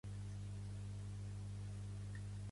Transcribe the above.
Estudià Dret, i es dedicà al futbol.